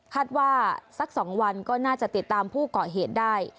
สัก๒วันก็น่าจะติดตามผู้เกาะเหตุได้